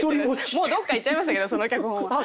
もうどっかいっちゃいましたけどその脚本は。